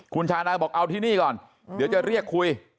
คุณชาดาบอกเอาที่นี่ก่อนเดี๋ยวจะเรียกคุย